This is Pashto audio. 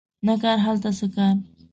نه کار هلته څه کار